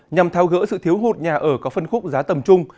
nhằm thao gỡ sự thiếu hụt nhà ở có phân khúc giá tầm trung